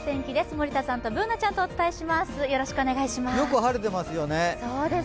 森田さんとＢｏｏｎａちゃんとお伝えします。